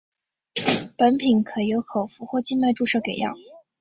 本品可由口服或静脉注射给药。